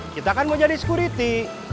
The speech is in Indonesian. kita kan mau jadi security